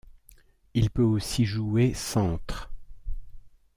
Il peut aussi jouer centre.